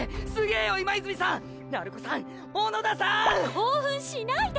興奮しないで！